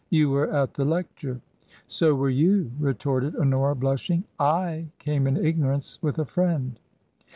" You were at the lecture." " So were you," retorted Honora, blushing ;"/ came in ignorance, with a friend."